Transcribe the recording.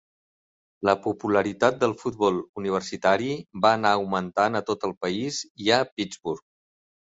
La popularitat del futbol universitari va anar augmentant a tot el país i a Pittsburgh.